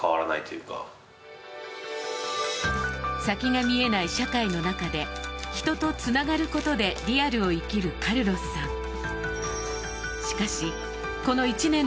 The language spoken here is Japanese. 先が見えない社会の中で人とつながることでリアルを生きるカルロスさん。